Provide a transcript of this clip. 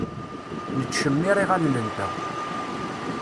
Nettcemmiṛ iɣallen-nteɣ.